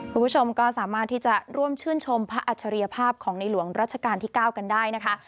คุณผู้ชมก็สามารถที่จะร่วมชื่นชมพระอัจฉริยภาพของในหลวงรัชกาลที่๙กันได้นะคะ